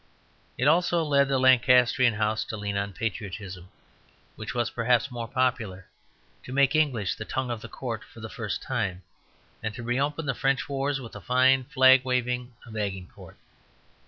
It also led the Lancastrian House to lean on patriotism, which was perhaps more popular; to make English the tongue of the court for the first time, and to reopen the French wars with the fine flag waving of Agincourt.